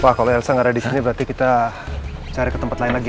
bapak kalau elsa gak ada disini berarti kita cari ke tempat lain lagi